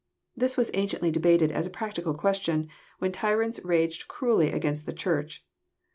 This was anciently debated as a practical question, when tyrants raged cruelly against the Church.